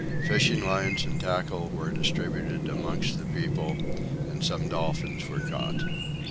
Fishing lines and tackle were distributed amongst the people and some dolphins were caught.